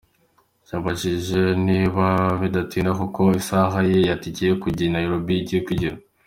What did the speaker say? Yababajije niba bidatinda kuko isaha ye ya tike yo kujya i Nairobi igiye kugera.